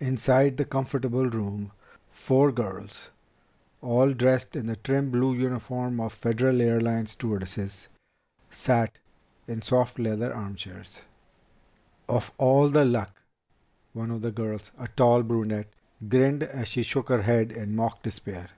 Inside the comfortable room, four girls, all dressed in the trim, blue uniform of Federal Airlines stewardesses, sat in soft leather armchairs. "Of all the luck!" One of the girls, a tall brunette, grinned as she shook her head in mock despair.